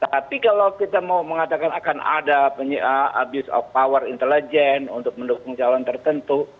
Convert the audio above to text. tapi kalau kita mau mengatakan akan ada abuse of power intelligence untuk mendukung calon tertentu